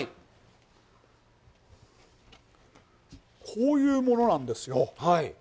こういうものなんですよ。